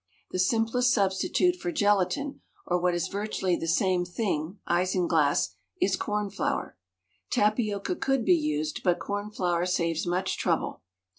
The simplest substitute for gelatine, or what is virtually the same thing, isinglass, is corn flour. Tapioca could be used, but corn flour saves much trouble.